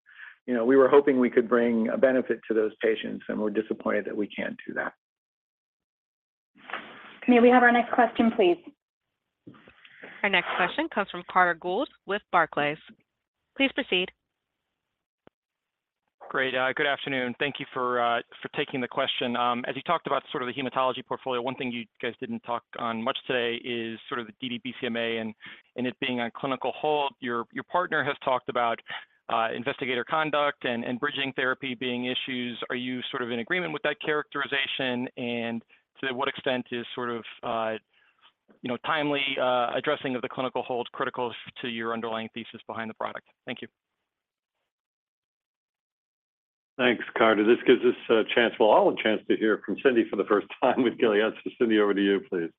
you know, we were hoping we could bring a benefit to those patients, and we're disappointed that we can't do that. May we have our next question, please? Our next question comes from Carter Gould with Barclays. Please proceed. Great. Good afternoon. Thank you for taking the question. As you talked about sort of the hematology portfolio, one thing you guys didn't talk on much today is sort of the ddBCMA and it being on clinical hold. Your partner has talked about investigator conduct and bridging therapy being issues. Are you sort of in agreement with that characterization? To what extent is sort of, you know, timely addressing of the clinical hold critical to your underlying thesis behind the product? Thank you. Thanks, Carter. This gives us a chance... Well, all a chance to hear from Cindy for the first time with Gilead. Cindy, over to you, please.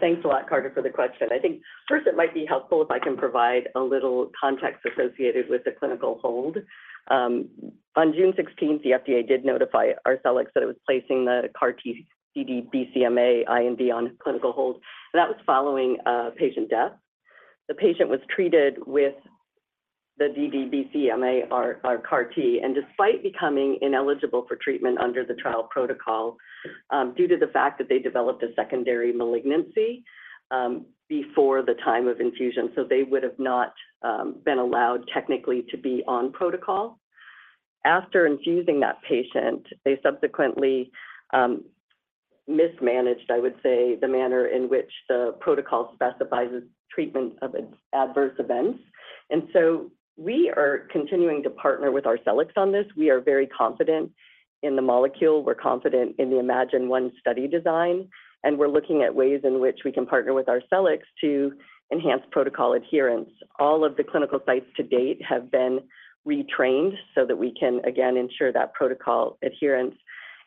Thanks a lot, Carter, for the question. I think first it might be helpful if I can provide a little context associated with the clinical hold. On June 16th, the FDA did notify Arcellx that it was placing the CAR T ddBCMA IND on clinical hold, and that was following a patient death. The patient was treated with the ddBCMA, our, our CAR T, and despite becoming ineligible for treatment under the trial protocol, due to the fact that they developed a secondary malignancy, before the time of infusion, so they would have not, been allowed technically to be on protocol. After infusing that patient, they subsequently, mismanaged, I would say, the manner in which the protocol specifies treatment of adverse events. So we are continuing to partner with Arcellx on this. We are very confident in the molecule, we're confident in the iMMagine-1 study design, and we're looking at ways in which we can partner with Arcellx to enhance protocol adherence. All of the clinical sites to date have been retrained so that we can again ensure that protocol adherence.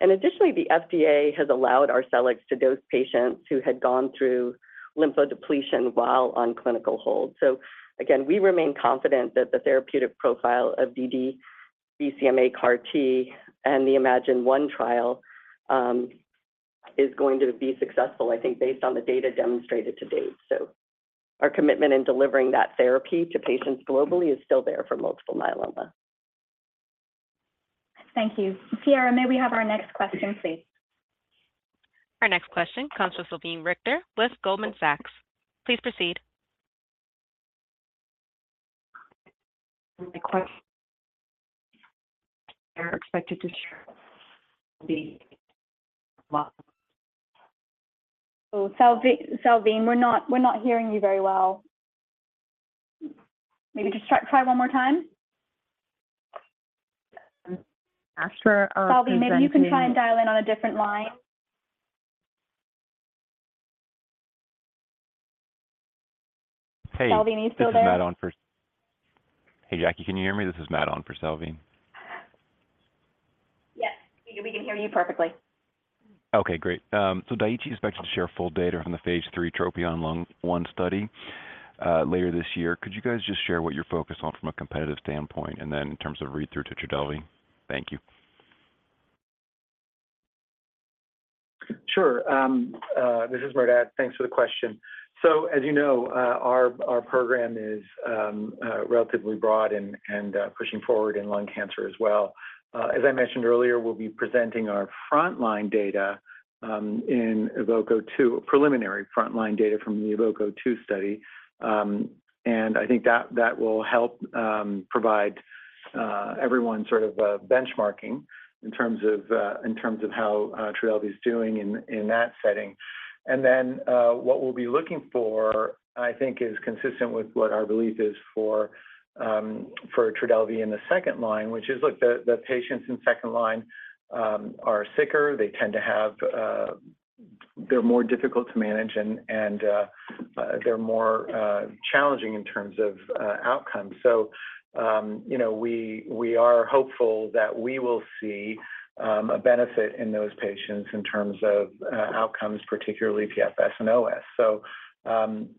Additionally, the FDA has allowed Arcellx to dose patients who had gone through lymphodepletion while on clinical hold. Again, we remain confident that the therapeutic profile of ddBCMA CAR T and the iMMagine-1 trial, is going to be successful, I think, based on the data demonstrated to date. Our commitment in delivering that therapy to patients globally is still there for multiple myeloma. Thank you. Sierra, may we have our next question, please? Our next question comes from Salveen Richter with Goldman Sachs. Please proceed. are expected to share the model. Salveen, we're not, we're not hearing you very well. Maybe just try, try one more time. After, Salveen, maybe you can try and dial in on a different line. Salveen, are you still there? This is Matt on for. Hey, Jackie, can you hear me? This is Matt on for Salveen. Yes, we can hear you perfectly. Okay, great. Daiichi expects to share full data on the phase three TROPION-Lung01 study later this year. Could you guys just share what you're focused on from a competitive standpoint, and then in terms of read-through to Trodelvy? Thank you. Sure. This is Merdad. Thanks for the question. As you know, our program is relatively broad and pushing forward in lung cancer as well. As I mentioned earlier, we'll be presenting our frontline data in EVOKE-02, preliminary frontline data from the EVOKE-02 study. I think that, that will help provide everyone benchmarking in terms of how Trodelvy is doing in that setting. Then what we'll be looking for, I think, is consistent with what our belief is for Trodelvy in the second line, which is, look, the patients in second line are sicker. They tend to have, they're more difficult to manage and they're more challenging in terms of outcomes. You know, we, we are hopeful that we will see a benefit in those patients in terms of outcomes, particularly PFS and OS.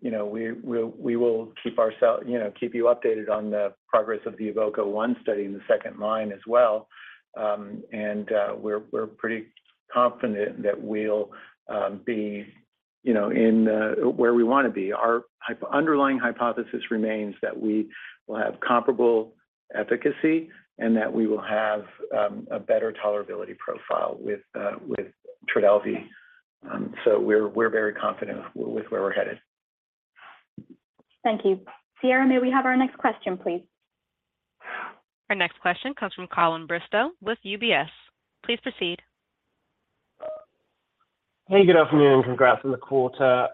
You know, we, we, we will keep ourselves, you know, keep you updated on the progress of the EVOKE-01 study in the second line as well. We're, we're pretty confident that we'll be, you know, in where we wanna be. Our underlying hypothesis remains that we will have comparable efficacy and that we will have a better tolerability profile with Trodelvy. We're, we're very confident with, with where we're headed. Thank you. Sierra, may we have our next question, please? Our next question comes from Colin Bristow with UBS. Please proceed. Hey, good afternoon, and congrats on the quarter.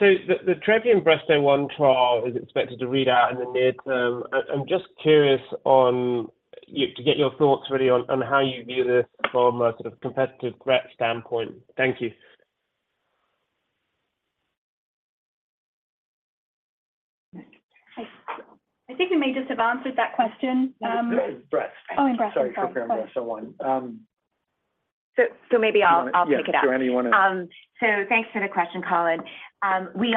The TROPION-Breast01 is expected to read out in the near term. I'm just curious to get your thoughts really on how you view this from a sort of competitive threat standpoint. Thank you. I, I think we may just have answered that question. It was breast. Oh, in breast. Sorry, for Breast one. Maybe I'll pick it up. Yeah. Joanna, you want to- So thanks for the question, Colin. We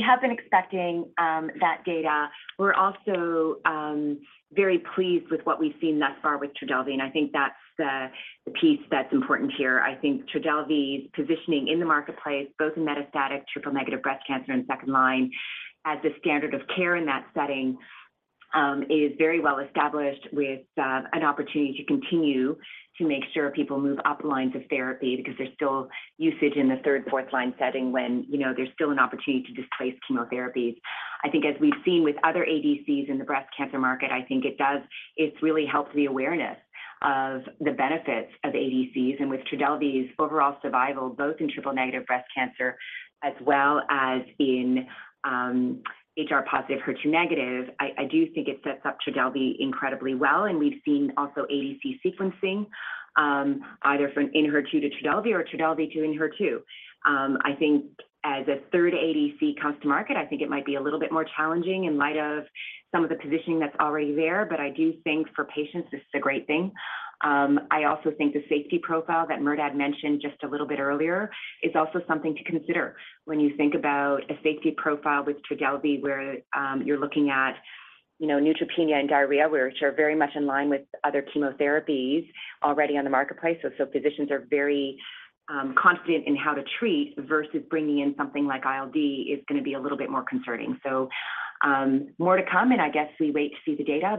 have been expecting that data. We're also very pleased with what we've seen thus far with Trodelvy, and I think that's the piece that's important here. I think Trodelvy's positioning in the marketplace, both in metastatic triple-negative breast cancer and second-line as the standard of care in that setting, is very well established with an opportunity to continue to make sure people move up lines of therapy because there's still usage in the third, fourth-line setting when, you know, there's still an opportunity to displace chemotherapies. I think as we've seen with other ADCs in the breast cancer market, I think it's really helped the awareness of the benefits of ADCs. With Trodelvy's overall survival, both in triple-negative breast cancer as well as in, HR-positive, HER2-negative, I, I do think it sets up Trodelvy incredibly well. We've seen also ADC sequencing, either from Enhertu to Trodelvy or Trodelvy to Enhertu. I think as a third ADC comes to market, I think it might be a little bit more challenging in light of some of the positioning that's already there, but I do think for patients, this is a great thing. I also think the safety profile that Merdad mentioned just a little bit earlier is also something to consider when you think about a safety profile with Trodelvy, where, you know, you're looking at neutropenia and diarrhea, which are very much in line with other chemotherapies already on the marketplace. Physicians are very confident in how to treat versus bringing in something like ILD is gonna be a little bit more concerning. More to come, and I guess we wait to see the data.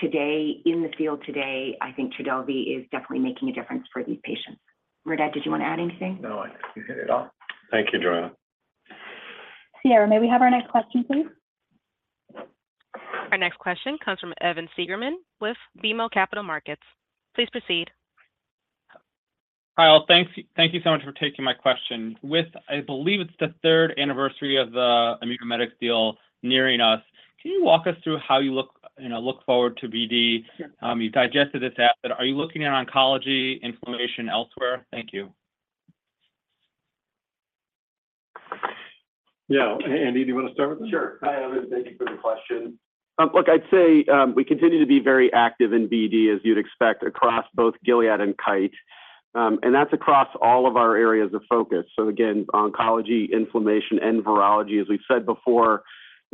Today, in the field today, I think Trodelvy is definitely making a difference for these patients. Merdad, did you want to add anything? No, I think you hit it all. Thank you, Joanna. Sierra, may we have our next question, please? Our next question comes from Evan Seigerman with BMO Capital Markets. Please proceed. Hi, all. Thank you, thank you so much for taking my question. With, I believe it's the third anniversary of the Immunomedics deal nearing us, can you walk us through how you look, you know, look forward to BD? Sure. You've digested this asset. Are you looking at oncology, inflammation elsewhere? Thank you. Yeah. Andy, do you wanna start with this? Sure. Hi, Evan, thank you for the question. look, I'd say, we continue to be very active in BD, as you'd expect, across both Gilead and Kite, and that's across all of our areas of focus. Again, oncology, inflammation, and virology. As we've said before,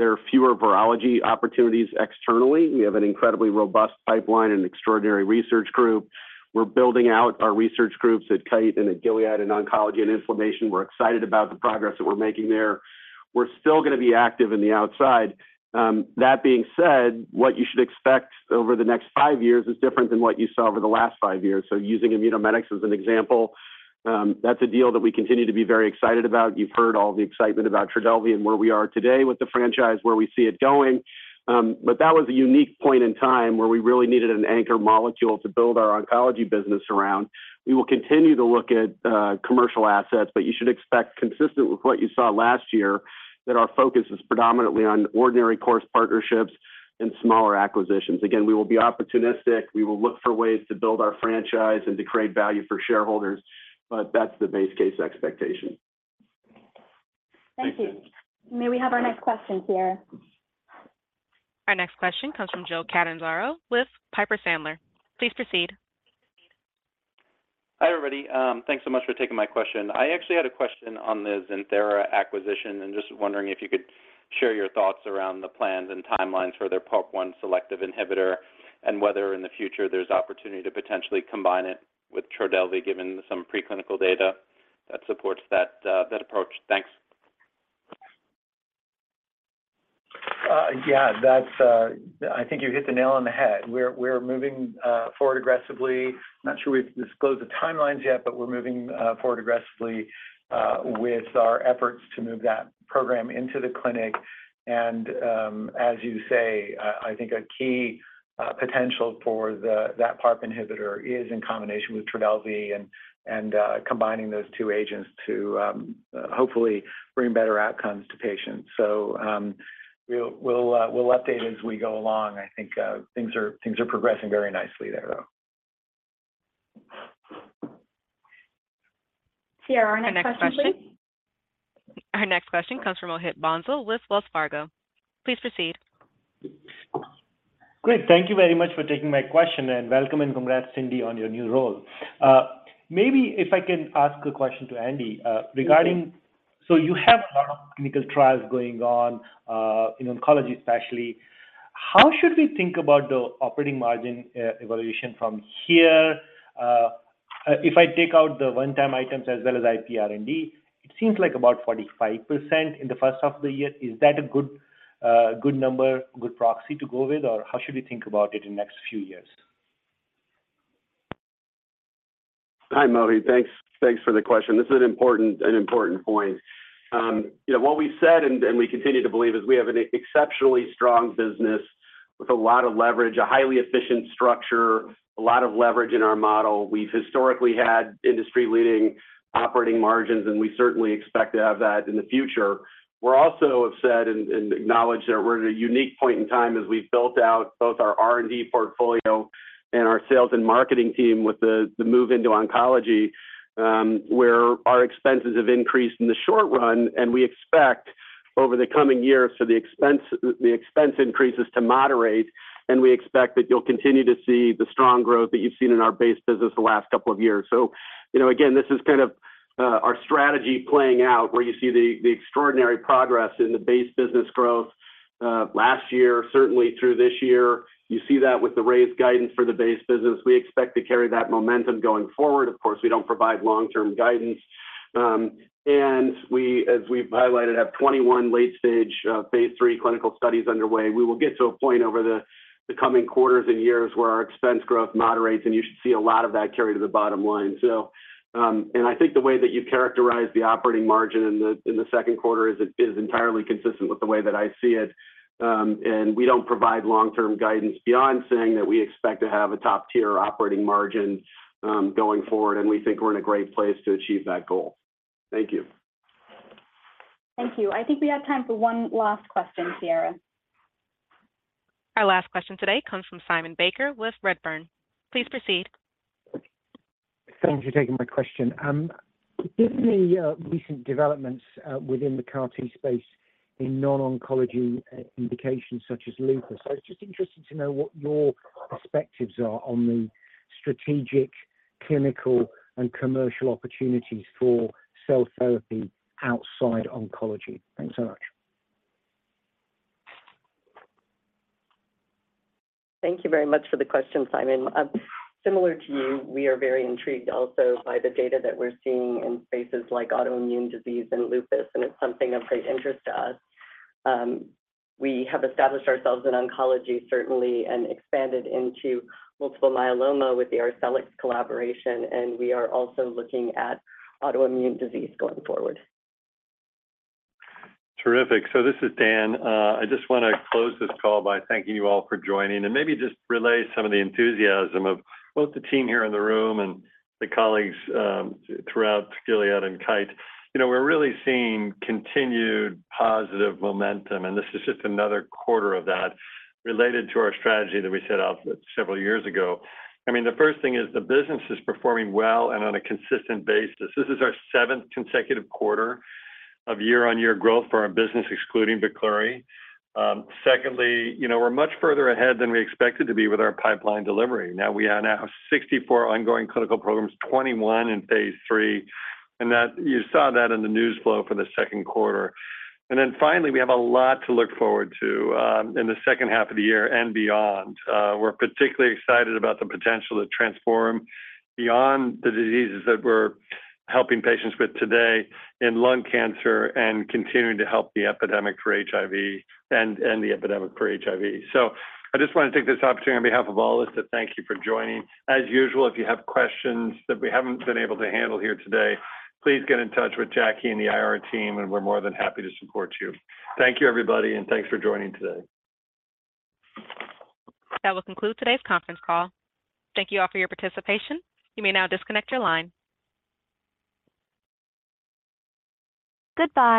there are fewer virology opportunities externally. We have an incredibly robust pipeline and extraordinary research group. We're building out our research groups at Kite and at Gilead, in oncology and inflammation. We're excited about the progress that we're making there. We're still gonna be active in the outside. That being said, what you should expect over the next five years is different than what you saw over the last five years. Using Immunomedics as an example, that's a deal that we continue to be very excited about. You've heard all the excitement about Trodelvy and where we are today with the franchise, where we see it going. That was a unique point in time where we really needed an anchor molecule to build our oncology business around. We will continue to look at commercial assets, but you should expect, consistent with what you saw last year, that our focus is predominantly on ordinary course partnerships and smaller acquisitions. Again, we will be opportunistic. We will look for ways to build our franchise and to create value for shareholders, but that's the base case expectation. Thank you. May we have our next question, Sierra? Our next question comes from Joe Catanzaro with Piper Sandler. Please proceed. Hi, everybody. Thanks so much for taking my question. I actually had a question on the Xinthera acquisition, and just wondering if you could share your thoughts around the plans and timelines for their PARP-1 selective inhibitor, and whether in the future there's opportunity to potentially combine it with Trodelvy, given some preclinical data that supports that, that approach? Thanks. Yeah, that's, I think you hit the nail on the head. We're, we're moving forward aggressively. Not sure we've disclosed the timelines yet, but we're moving forward aggressively with our efforts to move that program into the clinic. As you say, I think a key potential for the- that PARP inhibitor is in combination with Trodelvy and, and combining those two agents to hopefully bring better outcomes to patients. We'll, we'll, we'll update as we go along. I think things are, things are progressing very nicely there, though. Sierra, our next question, please. Our next question comes from Mohit Bansal with Wells Fargo. Please proceed. Great. Thank you very much for taking my question, welcome, and congrats, Cindy, on your new role. Maybe if I can ask a question to Andy, regarding- Okay. You have a lot of clinical trials going on in oncology, especially. How should we think about the operating margin evaluation from here? If I take out the one-time items as well as IP R&D, it seems like about 45% in the first half of the year. Is that a good number, good proxy to go with? Or how should we think about it in next few years? Hi, Mohit. Thanks, thanks for the question. This is an important, an important point. You know, what we've said and, and we continue to believe, is we have an exceptionally strong business with a lot of leverage, a highly efficient structure, a lot of leverage in our model. We've historically had industry-leading operating margins, and we certainly expect to have that in the future. We're also have said and, and acknowledge that we're at a unique point in time as we've built out both our R&D portfolio and our sales and marketing team with the, the move into oncology, where our expenses have increased in the short run, and we expect over the coming years for the expense, the expense increases to moderate, and we expect that you'll continue to see the strong growth that you've seen in our base business the last couple of years. You know, again, this is kind of our strategy playing out, where you see the extraordinary progress in the base business growth last year, certainly through this year. You see that with the raised guidance for the base business. We expect to carry that momentum going forward. Of course, we don't provide long-term guidance. We, as we've highlighted, have 21 late-stage phase three clinical studies underway. We will get to a point over the coming quarters and years where our expense growth moderates, and you should see a lot of that carry to the bottom line. I think the way that you characterize the operating margin in the second quarter is entirely consistent with the way that I see it. We don't provide long-term guidance beyond saying that we expect to have a top-tier operating margin, going forward, and we think we're in a great place to achieve that goal. Thank you. Thank you. I think we have time for one last question, Sierra. Our last question today comes from Simon Baker with Redburn. Please proceed. Thanks for taking my question. Given the recent developments within the CAR T space in non-oncology indications such as lupus, I was just interested to know what your perspectives are on the strategic, clinical, and commercial opportunities for cell therapy outside oncology. Thanks so much. Thank you very much for the question, Simon. Similar to you, we are very intrigued also by the data that we're seeing in spaces like autoimmune disease and lupus, and it's something of great interest to us. We have established ourselves in oncology, certainly, and expanded into multiple myeloma with the Arcellx collaboration, and we are also looking at autoimmune disease going forward. Terrific. This is Dan. I just want to close this call by thanking you all for joining, and maybe just relay some of the enthusiasm of both the team here in the room and the colleagues throughout Gilead and Kite. You know, we're really seeing continued positive momentum, and this is just another quarter of that related to our strategy that we set out several years ago. I mean, the first thing is the business is performing well and on a consistent basis. This is our seventh consecutive quarter of year-on-year growth for our business, excluding Veklury. Secondly, you know, we're much further ahead than we expected to be with our pipeline delivery. We have now 64 ongoing clinical programs, 21 in phase III. You saw that in the news flow for the second quarter. Then finally, we have a lot to look forward to in the second half of the year and beyond. We're particularly excited about the potential to transform beyond the diseases that we're helping patients with today in lung cancer and continuing to help the epidemic for HIV and, and the epidemic for HIV. I just want to take this opportunity on behalf of all of us to thank you for joining. As usual, if you have questions that we haven't been able to handle here today, please get in touch with Jackie and the IR team, and we're more than happy to support you. Thank you, everybody, and thanks for joining today. That will conclude today's conference call. Thank you all for your participation. You may now disconnect your line. Goodbye.